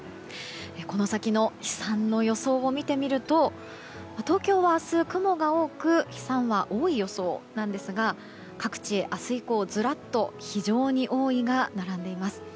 この先の飛散の予想を見てみると東京は明日雲が多く飛散は多い予想ですが各地、明日以降ずらっと非常に多いが並んでいます。